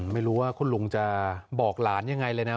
ไม่รู้ว่าคุณลุงจะบอกหลานยังไงเลยนะ